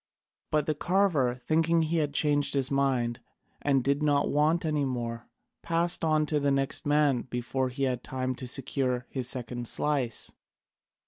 But the carver, thinking he had changed his mind and did not want any more, passed on to the next man before he had time to secure his second slice.